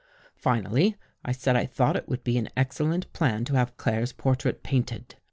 Finally I said I thought It would be an excellent plan to have Claire's portrait painted.